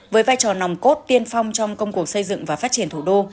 với vai trò nòng cốt tiên phong trong công cuộc xây dựng và phát triển thủ đô